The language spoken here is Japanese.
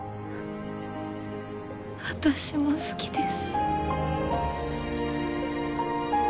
私も好きです。